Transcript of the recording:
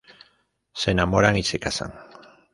Se enamoran y se casan.